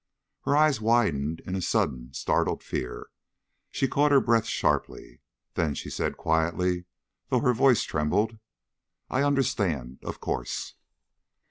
Her eyes widened in a sudden startled fear. She caught her breath sharply. Then she said quietly, though her voice trembled: "I understand. Of course."